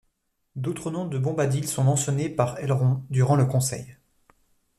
D'autres noms de Bombadil sont mentionnés par Elrond durant le Conseil.